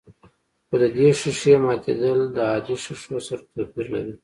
خو د دې ښيښې ماتېدل د عادي ښيښو سره توپير لري.